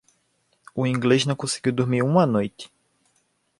O inglês não conseguiu dormir uma noite.